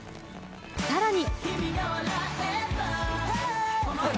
さらに。